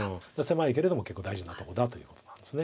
狭いけれども結構大事なとこだということなんです。